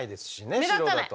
白だと。